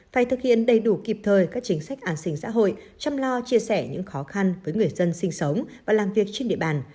phải thực hiện đầy đủ kịp thời các chính sách an sinh xã hội chăm lo chia sẻ những khó khăn với người dân sinh sống và làm việc trên địa bàn